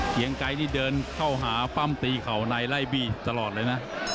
เกียงไกรนี่เดินเข้าหาปั้มตีเข่าในไล่บี้ตลอดเลยนะ